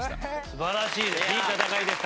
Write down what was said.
素晴らしいです。